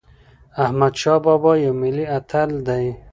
احمدشاه بابا یو ملي اتل دی.